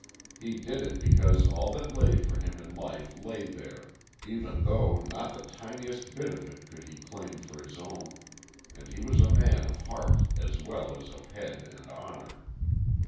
He did it because all that lay for him in life lay there, even though not the tiniest bit of it could he claim for his own. And he was a man of heart, as well as of head, and honor.